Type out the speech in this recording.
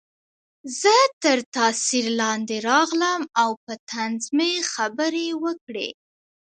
زه تر تاثیر لاندې راغلم او په طنز مې خبرې وکړې